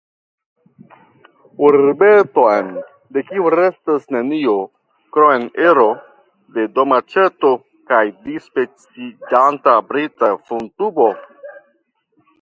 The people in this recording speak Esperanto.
Urbeton de kiu restas nenio krom ero de domaĉeto kaj dispeciĝanta brika fumtubo!